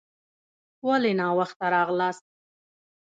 ولي ناوخته راغلاست؟